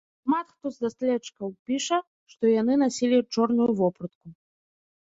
Шмат хто з даследчыкаў піша, што яны насілі чорную вопратку.